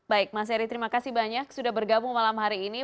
baik mas eri terima kasih banyak sudah bergabung malam hari ini